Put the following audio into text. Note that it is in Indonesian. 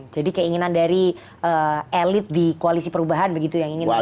jadi keinginan dari elit di koalisi perubahan begitu yang ingin mengajak